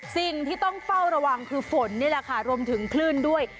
สิ่งที่ต้องเฝ้าระวังคือฝนนี่แหละค่ะรวมถึงคลื่นด้วย